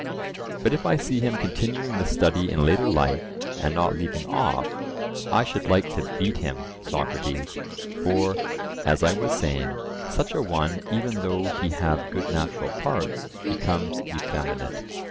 But if I see him continuing the study in later life, and not leaving off, I should like to beat him, Socrates; for, as I was saying, such a one, even though he have good natural parts, becomes effeminate.